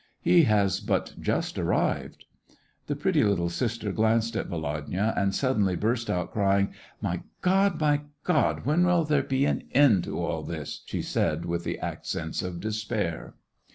" He has but just arrived." The pretty little sister glanced at Volodya, and suddenly burst out crying. " My God ! my God ! when will there be an end to all this }" she said, with the accents of despair.